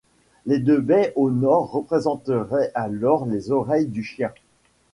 Les deux baies au nord représenteraient alors les oreilles du chien.